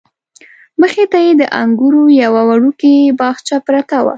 مخې ته یې د انګورو یوه وړوکې باغچه پرته وه.